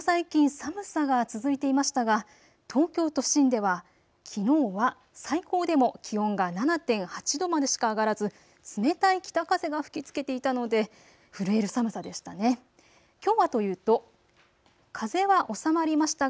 ここ最近寒さが続いていましたが東京都心ではきのうは最高でも気温が７．８度までしか上がらず冷たい北風が吹きつけていたので震える寒さでしたね。